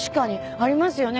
ありますよね